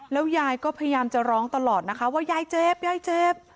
แล้วยายก็พยายามจะร้องตลอดนะคะว่ายายเจ็บยายเจ็บ